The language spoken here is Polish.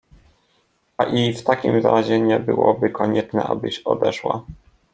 A i w takim razie nie byłoby konieczne, abyś odeszła…